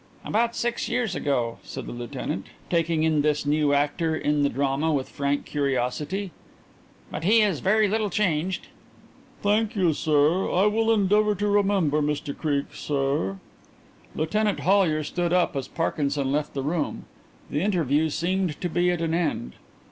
"About six years ago," said the lieutenant, taking in this new actor in the drama with frank curiosity. "But he is very little changed." "Thank you, sir. I will endeavour to remember Mr Creake, sir." Lieutenant Hollyer stood up as Parkinson left the room. The interview seemed to be at an end.